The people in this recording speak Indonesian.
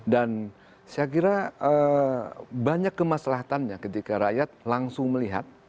dan saya kira banyak kemaslahatannya ketika rakyat langsung melihat